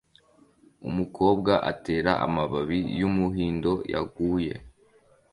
Umukobwa atera amababi yumuhindo yaguye